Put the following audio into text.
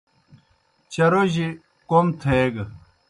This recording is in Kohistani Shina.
چاروجیْ کوْم تھیگہ۔